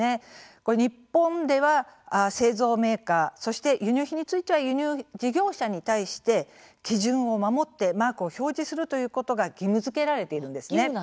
これ日本では製造メーカーそして輸入品については輸入事業者に対して基準を守ってマークを表示するということが義務なんですね。